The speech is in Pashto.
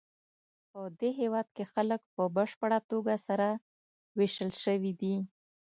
پدې هېواد کې خلک په بشپړه توګه سره وېشل شوي دي.